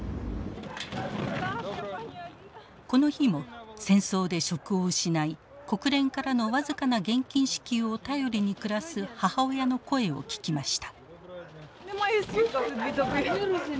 この日も戦争で職を失い国連からの僅かな現金支給を頼りに暮らす母親の声を聞きました。